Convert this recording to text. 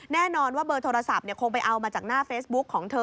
แน่นอนว่าเบอร์โทรศัพท์คงไปเอามาจากหน้าเฟซบุ๊กของเธอ